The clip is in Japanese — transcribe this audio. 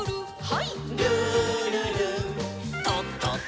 はい。